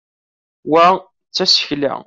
wa d tasekla